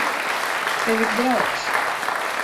Tev ir draugs.